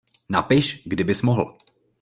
Napiš, kdy bys mohl.